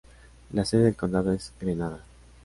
La sede del condado es Grenada.